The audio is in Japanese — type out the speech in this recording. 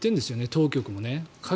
当局もね。